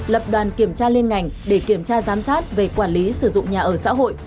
lập đoàn kiểm tra liên ngành để kiểm tra giám sát về quản lý sử dụng nhà ở xã hội